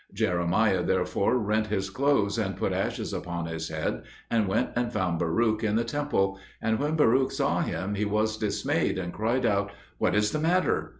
Jeremiah therefore rent his clothes and put ashes upon his head, and went and found Baruch in the temple; and when Baruch saw him he was dismayed, and cried out, "What is the matter?"